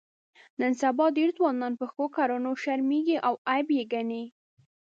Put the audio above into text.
نن سبا ډېر ځوانان په ښو کړنو شرمېږي او عیب یې ګڼي.